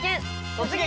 「突撃！